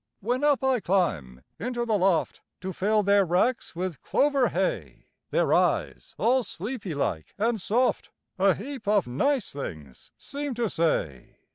When up I climb into the loft To fill their racks with clover hay, Their eyes, all sleepy like and soft, A heap of nice things seem to say.